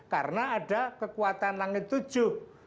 karena ada kekuatan langit tujuh